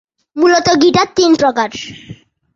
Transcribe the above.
মূলত গীটার তিন প্রকার।